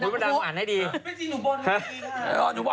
ไม่จริงเมื้อหนูบ่น